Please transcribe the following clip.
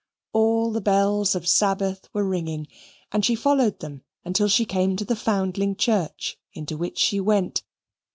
All the bells of Sabbath were ringing, and she followed them until she came to the Foundling Church, into which she went.